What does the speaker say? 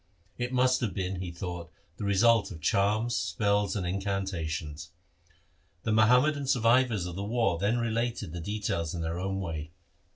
It must have been, he thought, the result of charms, spells, and incantations. The Muham madan survivors of the war then related its details in their own way.